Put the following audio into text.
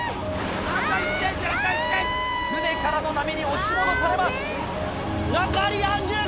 船からの波に押し戻されます。